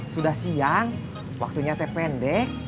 sudah siang waktunya teh pendek